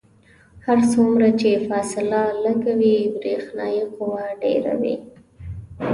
هر څومره چې فاصله لږه وي برېښنايي قوه ډیره وي.